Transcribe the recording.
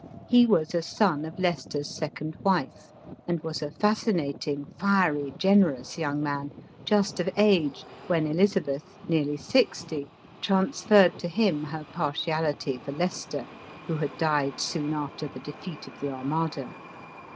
He was a son of Leicester's second wife, and was a fascinating, fiery, generous young man, just of age when Elizabeth, nearly sixty, transferred to him her partiality for Lei cester, who had died soon after the defeat of the Ar mada.